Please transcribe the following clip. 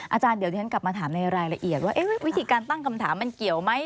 อาจารย์เดี๋ยวที่ฉันกลับมาถามในรายละเอียดว่าวิธีการตั้งคำถามมันเกี่ยวไหม